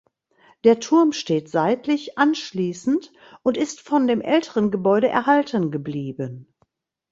Der Turm steht seitlich anschließend und ist von dem älteren Gebäude erhalten geblieben.